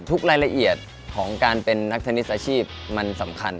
รายละเอียดของการเป็นนักเทนนิสอาชีพมันสำคัญ